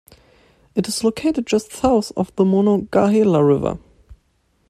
It is located just south of the Monongahela River.